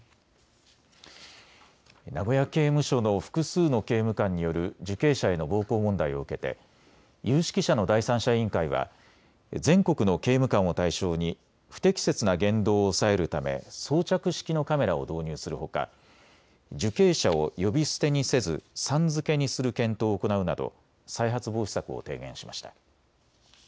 名古屋刑務所の複数の刑務官による受刑者への暴行問題を受けて有識者の第三者委員会は全国の刑務官を対象に不適切な言動を抑えるため装着式のカメラを導入するほか受刑者を呼び捨てにせずさん付けにする検討を行うなど再発防止策を提言しました。